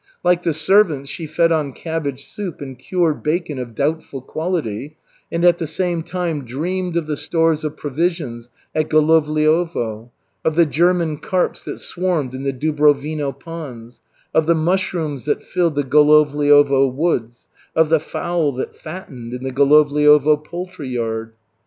Like the servants, she fed on cabbage soup and cured bacon of doubtful quality, and at the same time dreamed of the stores of provisions at Golovliovo, of the German carps that swarmed in the Dubrovino ponds, of the mushrooms that filled the Golovliovo woods, of the fowl that fattened in the Golovliovo poultry yard.